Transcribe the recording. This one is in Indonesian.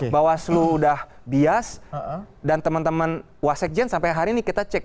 bahwa asli sudah bias dan teman teman wasek jan sampai hari ini kita cek